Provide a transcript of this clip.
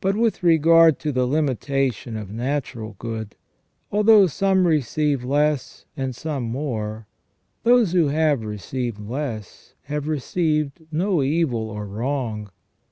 But with regard to the limitation of natural good, although some receive less and some more, those who have received less have 190 ON EVIL AND THE ORIGIN OF EVIL. received no evil or wrong.